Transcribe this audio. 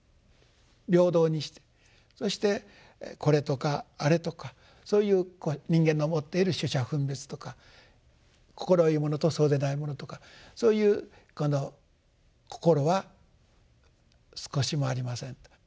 平等にしてそしてこれとかあれとかそういう人間の持っている取捨分別とか快いものとそうでないものとかそういうこの心は少しもありませんと。